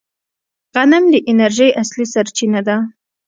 غنم د انرژۍ اصلي سرچینه ده.